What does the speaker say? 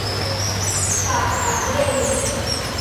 ฉากกระเด้ง